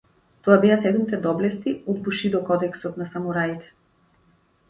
Тоа беа седумте доблести од бушидо кодексот на самураите.